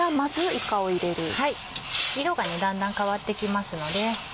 色がだんだん変わって来ますので。